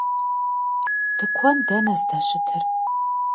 Tuçan dene zdeşıtır?